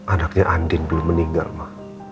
anaknya andin belum meninggal pak